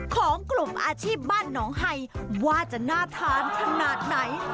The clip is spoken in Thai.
ของกลุ่มอาชีพบ้านหนองไฮว่าจะน่าทานขนาดไหน